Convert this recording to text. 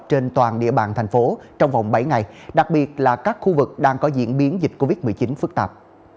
trên toàn địa bàn thành phố trong vòng bảy ngày đặc biệt là các khu vực đang có diễn biến dịch covid một mươi chín phức tạp